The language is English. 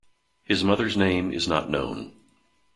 His mother's name is not known.